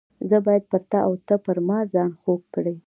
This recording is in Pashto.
زه باید پر تا او ته پر ما ځان خوږ کړې.